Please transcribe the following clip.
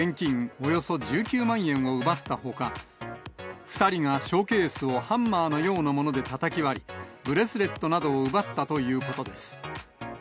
およそ１９万円を奪ったほか、２人がショーケースをハンマーのようなものでたたき割り、ブレスレットなどを奪ったということです。